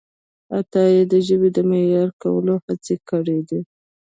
عطایي د ژبې د معیاري کولو هڅې کړیدي.